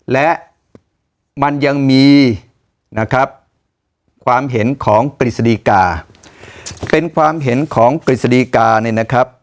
และมันยังมีนะครับความเห็นของกฤษฎีกาเป็นความเห็นของกฤษฎีกาเนี่ยนะครับ